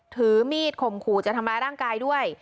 ถือมีดข่มขู่จะทำร้ายร่างกายด้วย